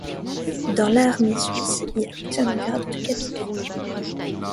Dans l'armée suisse, il obtient le grade de capitaine.